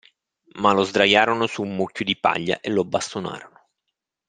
Ma lo sdraiarono su un mucchio di paglia e lo bastonarono.